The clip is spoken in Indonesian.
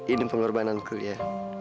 ini pengorbananku lia